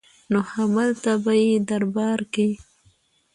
نو هملته به يې دربار کې